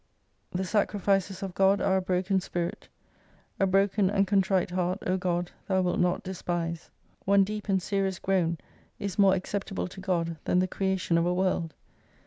The sacri fices of God are a broken spirit ; a broken and contrite hearty O God, Thou wilt not despise. One deep and serious groan is more acceptable to God than the creation of a world.